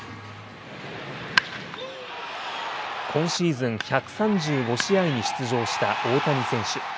今シーズン１３５試合に出場した大谷選手。